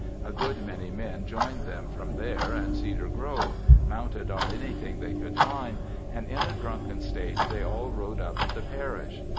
A good many men joined them from there and Cedar Grove, mounted on anything they could find, and in a drunken state they all rode up the Parish.